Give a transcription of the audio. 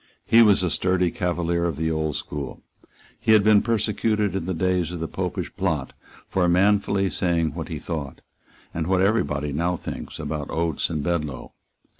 He was a sturdy Cavalier of the old school. He had been persecuted in the days of the Popish plot for manfully saying what he thought, and what every body now thinks, about Oates and Bedloe.